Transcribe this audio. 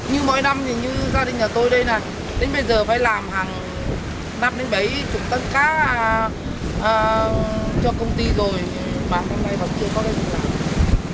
năm nay bấy chục tấn cá cho công ty rồi mà hôm nay vẫn chưa có cái gì làm